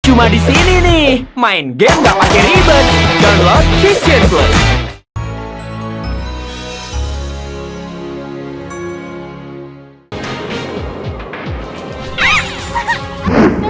hai cuma disini nih main game gak pake ribet download kitchen glue